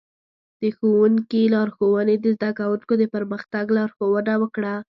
د ښوونکي لارښوونې د زده کوونکو د پرمختګ لارښوونه وکړه.